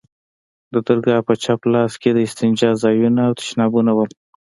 د درگاه په چپ لاس کښې د استنجا ځايونه او تشنابونه وو.